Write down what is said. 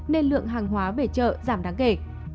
nên lượng hàng hóa về chợ giảm đáng kể